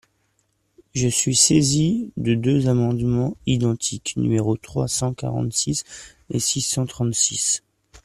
Je suis saisi de deux amendements identiques, numéros trois cent quarante-six et six cent trente-six.